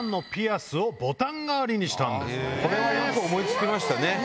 これはよく思い付きましたね。